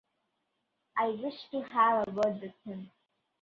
I wish to have a word with him.